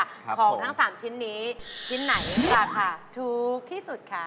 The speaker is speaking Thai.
ของทั้ง๓ชิ้นนี้ชิ้นไหนราคาถูกที่สุดคะ